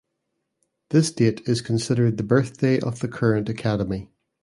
This date is considered the birthday of the current academy.